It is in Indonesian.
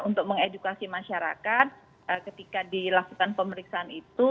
untuk mengedukasi masyarakat ketika dilakukan pemeriksaan itu